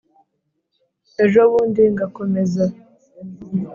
ejobundi ngakomeza